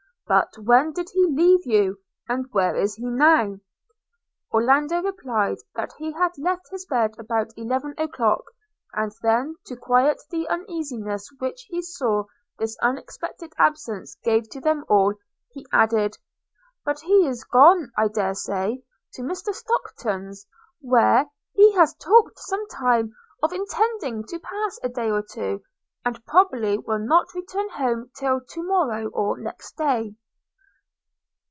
– But when did he leave you? and where is he now?' Orlando replied, that he had left his bed about eleven o'clock: and then, to quiet the uneasiness which he saw this unexpected absence gave to them all, he added, 'But he is gone, I dare say, to Mr Stockton's, where he has talked some time of intending to pass a day or two, and probably will not return home till to morrow or next day.'